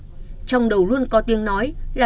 trong đầu luôn có tiếng nói là